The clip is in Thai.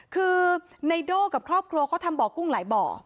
คือไนโด่กับครอบครัวเขาทำบ่อกุ้งหลายบ่อ